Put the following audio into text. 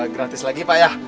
gratis lagi pak ya